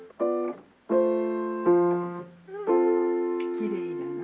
「きれいだな」